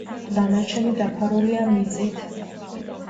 დანარჩენი დაფარულია მიწით.